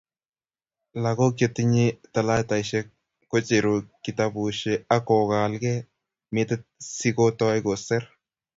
lagok che tinyei talataishe kocheru kitabushe ak kukolagei metit si kotou koser